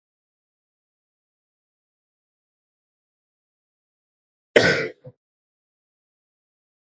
Lilinnya mati sendiri.